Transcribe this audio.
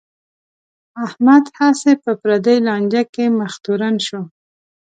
احمد هسې په پردی لانجه کې مخ تورن شو.